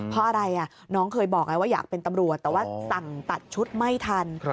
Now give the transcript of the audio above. เพราะอะไรน้องเคยบอกไงว่าอยากเป็นตำรวจแต่ว่าสั่งตัดชุดไม่ทัน